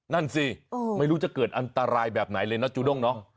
นั่นสิไม่รู้จะเกิดอันตรายแบบไหนเลยเนาะจูด้งเนาะ